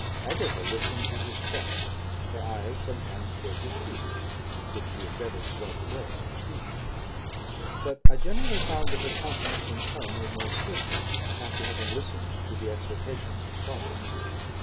Agatha listened with respect, her eyes sometimes filled with tears, which she endeavoured to wipe away unperceived; but I generally found that her countenance and tone were more cheerful after having listened to the exhortations of her father.